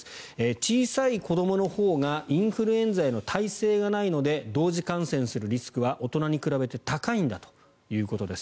小さい子どものほうがインフルエンザへの耐性がないので同時感染するリスクは大人に比べて高いんだということです。